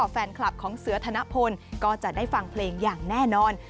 แฟนคลับของเสือธนพลก็จะได้ฟังเพลงอย่างแน่นอน